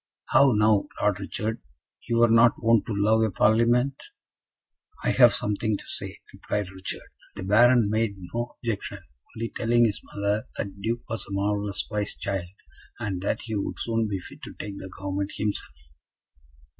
"How now, Lord Richard, you were not wont to love a Parlement?" "I have something to say," replied Richard. The Baron made no objection, only telling his mother that the Duke was a marvellous wise child, and that he would soon be fit to take the government himself.